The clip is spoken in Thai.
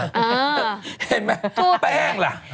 เห็นไหมแป้งล่ะ